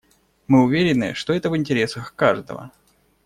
Мы уверены, что это в интересах каждого.